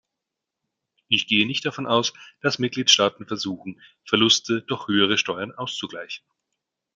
Ich gehe nicht davon aus, dass Mitgliedstaaten versuchen, Verluste durch höhere Steuern auszugleichen.